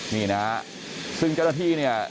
นี่นะฮะซึ่งเจ้าหน้าที่เนี่ย